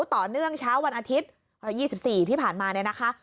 ต่อเนื่องเช้าวันอาทิตย์๒๔ที่ผ่านมาเนี่ยนะคะ